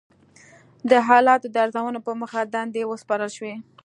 د حالاتو د ارزونې په موخه دندې وسپارل شوې.